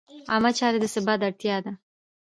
عامه چارې د ثبات اړتیا ده.